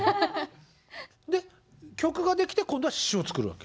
で曲ができて今度は詞を作るわけ？